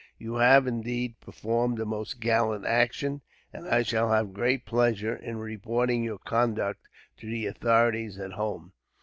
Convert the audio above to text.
You have, indeed, performed a most gallant action; and I shall have great pleasure in reporting your conduct to the authorities at home."